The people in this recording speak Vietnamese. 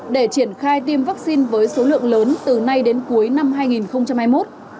để triển khai tiêm vaccine với số lượng lớn từ nay đến cuối năm hai nghìn hai mươi một